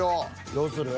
どうする？